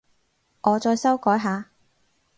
我再修改下